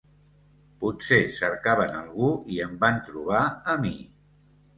Potser cercaven algú i em van trobar a mi.